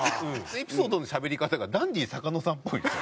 エピソードのしゃべり方がダンディ坂野さんっぽいですよね。